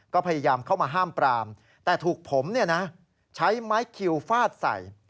ก็พยายามเข้ามาห้ามปรามแต่ถูกผมใช้ไม้คิวฟาดใส่